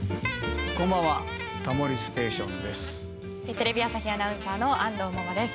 テレビ朝日アナウンサーの安藤萌々です。